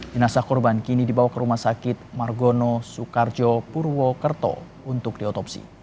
jenazah korban kini dibawa ke rumah sakit margono soekarjo purwokerto untuk diotopsi